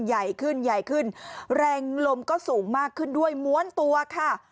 ใหญ่ขึ้นใหญ่ขึ้นแรงลมก็สูงมากขึ้นด้วยม้วนตัวค่ะ